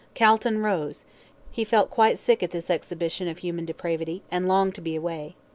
Calton rose, he felt quite sick at this exhibition of human depravity, and longed to be away.